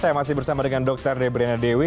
saya masih bersama dengan dokter debre nadewi